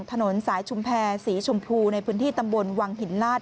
ถนนสายชุมแพรสีชมพูในพื้นที่ตำบลวังหินลาด